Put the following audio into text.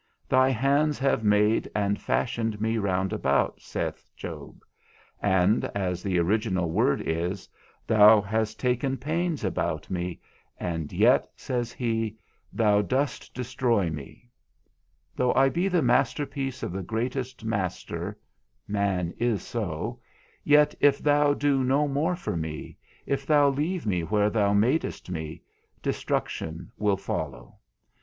Thy hands have made and fashioned me round about, saith Job, and (as the original word is) thou hast taken pains about me, and yet (says he) thou dost destroy me. Though I be the masterpiece of the greatest master (man is so), yet if thou do no more for me, if thou leave me where thou madest me, destruction will follow.